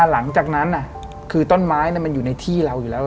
หลังจากนั้นคือต้นไม้มันอยู่ในที่เราอยู่แล้ว